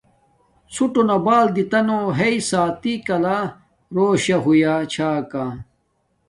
ݼُݸٹݸنݳ بݳل دِیتݳ ہݵئ سݳتݵ کَلَݳ رݸشݳ ہݸیݳ چھݳکݳ.